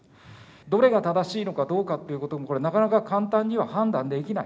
どれが正しいのかどうかっていうことも、これ、なかなか簡単には判断できない。